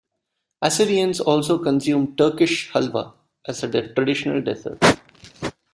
Assyrians also consume Turkish halva as a traditional dessert.